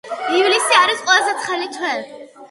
ივლისი არის ყველაზე ცხელი თვე.